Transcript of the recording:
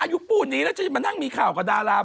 อายุปูนนี้แล้วจะมานั่งมีข่าวกับดารา